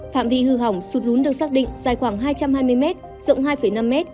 phạm vi hư hỏng sụt lún được xác định dài khoảng hai trăm hai mươi m rộng hai năm m